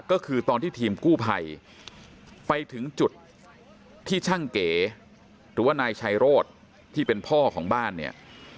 ก็คือตอนที่ทีมกู้ภัยไปถึงจุดที่ช่างเก๋หรือว่านายชัยโรธที่เป็นพ่อของบ้านเนี่ย